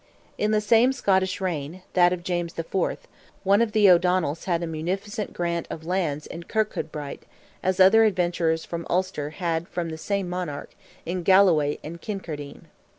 In the same Scottish reign (that of James IV.), one of the O'Donnells had a munificent grant of lands in Kirkcudbright, as other adventurers from Ulster had from the same monarch, in Galloway and Kincardine.